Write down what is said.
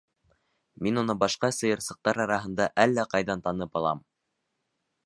Мин уны башҡа сыйырсыҡтар араһында әллә ҡайҙан танып алам.